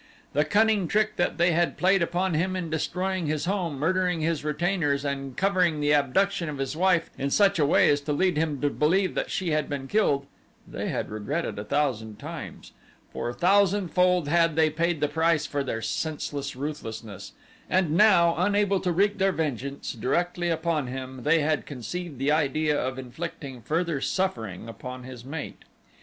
The cunning trick that they had played upon him in destroying his home, murdering his retainers, and covering the abduction of his wife in such a way as to lead him to believe that she had been killed, they had regretted a thousand times, for a thousandfold had they paid the price for their senseless ruthlessness, and now, unable to wreak their vengeance directly upon him, they had conceived the idea of inflicting further suffering upon his mate.